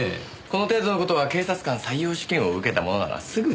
この程度の事は警察官採用試験を受けた者ならすぐ出来ます。